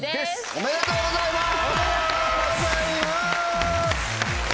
おめでとうございます！